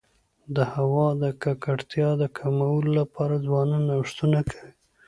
د هوا د ککړتیا د کمولو لپاره ځوانان نوښتونه کوي.